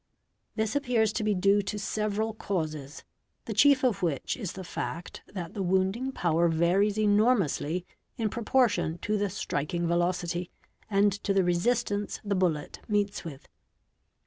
_ This appears to be due to several causes, the chief of which is the fact _ that the wounding power varies enormously in proportion to the striking ' velocity and to the resistance the bullet meets with.